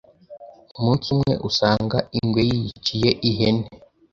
Umunsi umwe asanga ingwe yiyiciye ihene